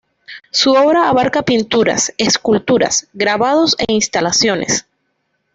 Su obra abarca pinturas, esculturas, grabados e instalaciones.